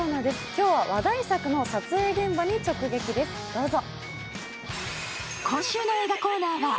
今日は話題作の撮影現場に直撃です、どうぞ。